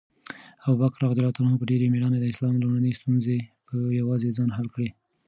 ابوبکر رض په ډېره مېړانه د اسلام لومړنۍ ستونزې په یوازې ځان حل کړې.